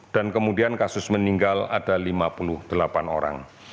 dan kemudian kasus meninggal ada lima puluh delapan orang